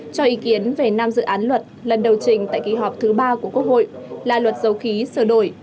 cho ý kiến về năm dự án luật lần đầu trình tại kỳ họp thứ ba của quốc hội là luật dầu khí sửa đổi